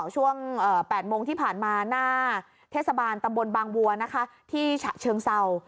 ช่วง๘โมงที่ผ่านมาหน้าเทศบาลตำบลบางวัวนะคะที่ฉะเชิงเศร้า